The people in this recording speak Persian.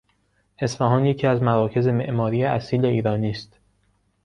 اصفهان یکی از مراکز معماری اصیل ایرانی است.